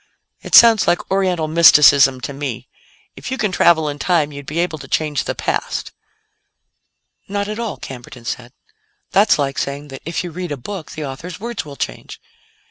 "It sounds like Oriental mysticism to me. If you can travel in time, you'd be able to change the past." "Not at all," Camberton said; "that's like saying that if you read a book, the author's words will change.